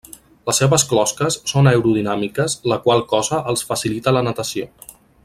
Les seves closques són aerodinàmiques la qual cosa els facilita la natació.